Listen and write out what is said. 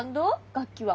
楽器は？